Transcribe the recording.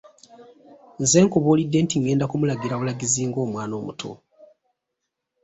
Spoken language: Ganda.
Nze nkubuulidde nti ng'enda kumulagira bulagizi ng'omwana omuto?